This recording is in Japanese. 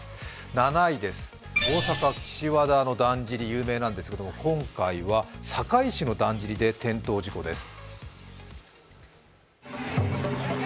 ７位、大阪・岸和田のだんじり、有名なんですけれども今回は堺市のだんじりで転倒事故です。